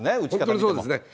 本当にそうですね。